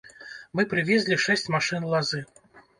Мы прывезлі шэсць машын лазы.